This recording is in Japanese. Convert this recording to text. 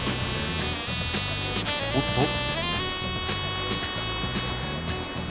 おっと